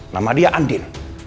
nama dia andin